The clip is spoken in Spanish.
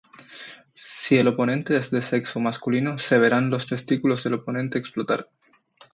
Si el oponente es de sexo masculino, se verán los testículos del oponente explotar.